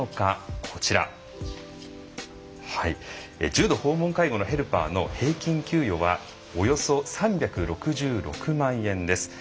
重度訪問介護のヘルパーの平均給与はおよそ３６６万円です。